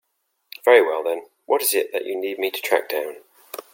Very well then, what is it that you need me to track down?